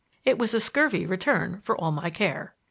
It was a scurvy return for all my care.